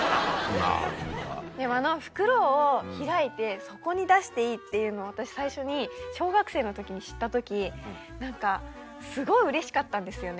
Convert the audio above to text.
でもあの袋を開いてそこに出していいっていうのを私最初に小学生のときに知ったとき何かすごいうれしかったんですよね。